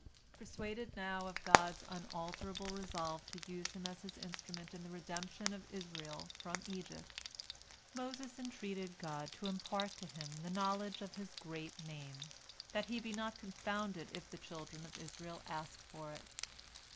" Persuaded now of God's unalterable resolve to use him as His instrument in the redemption of Israel from Egypt, Moses entreated God to impart to him the knowledge of His Great Name, that he be not confounded if the children of Israel ask for it.